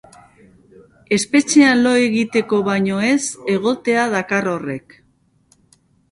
Espetxean lo egiteko baino ez egotea dakar horrek.